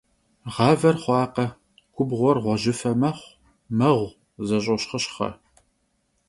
Ğaver xhuakhe, gubğuer ğuejıfe mexhu, meğu, zeş'oşxhışxhe.